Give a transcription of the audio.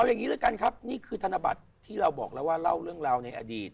เอาอย่างนี้แล้วกันครับนี่คือธนบัตรที่เราบอกแล้วว่าเล่าเรื่องราวในอดีต